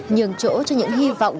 nhường chỗ cho những hy vọng